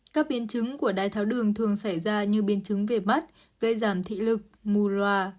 các biến chứng của đái tháo đường thường xảy ra như biến chứng về mắt gây giảm thị lực mù loà